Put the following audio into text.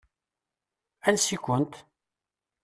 Ansi-kent?